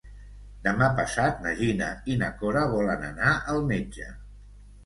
Demà passat na Gina i na Cora volen anar al metge.